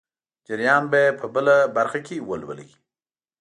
جریان به یې په بله برخه کې ولولئ.